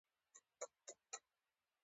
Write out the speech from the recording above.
• دودیز کرنیز جوړښت له منځه ولاړ.